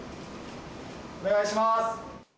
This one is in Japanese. お願いします。